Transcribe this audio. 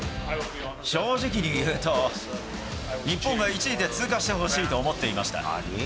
正直に言うと、日本が１位で通過してほしいと思っていました。